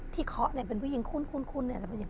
ที่เคาะเป็นผู้หญิงคุ้น